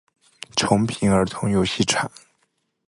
重平儿童游戏场